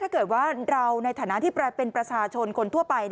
ถ้าเกิดว่าเราในฐานะที่เป็นประชาชนคนทั่วไป